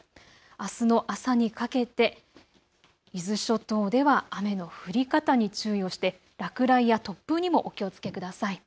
あすの朝にかけて伊豆諸島では雨の降り方に注意をして落雷や突風にもお気をつけください。